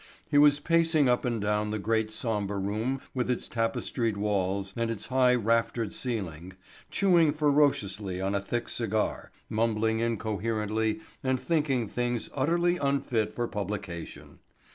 He was pacing up and down the great sombre room with its tapestried walls and its high raftered ceiling, chewing ferociously on a thick cigar, mumbling incoherently and thinking things utterly unfit for publication.